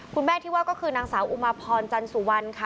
คุณแม่ที่ว่าก็คือนางสาวอุมาพรจันสุวรรณค่ะ